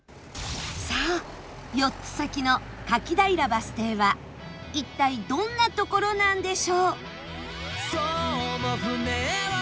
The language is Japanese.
さあ４つ先の柿平バス停は一体どんな所なんでしょう？